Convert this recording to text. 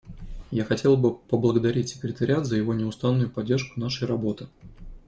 Я хотела бы поблагодарить секретариат за его неустанную поддержку нашей работы.